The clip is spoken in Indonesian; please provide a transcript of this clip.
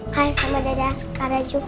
kayak sama dada asyikara juga